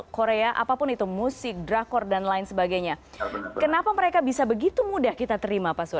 korea apapun itu musik drakor dan lain sebagainya kenapa mereka bisa begitu mudah kita terima pak suar